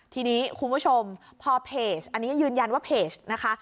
ทีนี้คุณผู้ชมพอเพจอันนี้ยืนยันว่าเพจนะคะ